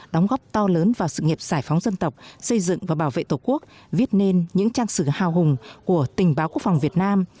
đóng góp to lớn vào sự nghiệp giải phóng dân tộc xây dựng và bảo vệ tổ quốc viết nên những trang sử hào hùng của tình báo quốc phòng việt nam